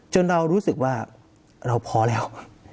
เรารู้สึกว่าเราพอแล้ว